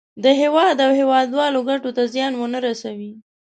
د هېواد او هېوادوالو ګټو ته زیان ونه رسوي.